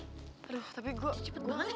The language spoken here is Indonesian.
aduh tapi gue